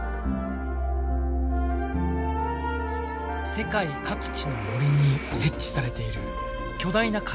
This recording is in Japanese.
世界各地の森に設置されている巨大な観測タワー。